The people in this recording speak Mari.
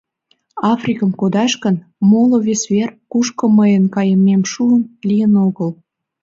Африкым кодаш гын, моло вес вер, кушко мыйын кайымем шуын, лийын огыл...»